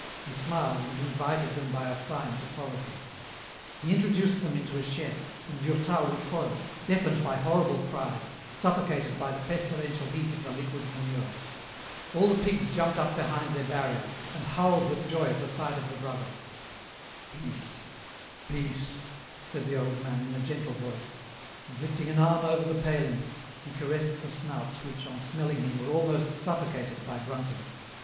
He smiled and invited them by a sign to follow him. He introduced them into a shed, and Durtal recoiled, deafened by horrible cries, suffocated by the pestilentiel heat of the liquid manure. All the pigs jumped up behind EN ROUTE. 2Zy their barrier, and howled with joy at the sight of the brother. " Peace, peace," said the old man, in a gentle voice ; and lifting an arm over the paling, he caressed the snouts which, on smelling him, were almost suffocated by grunting.